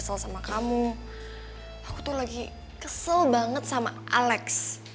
aku lagi kesel banget sama alex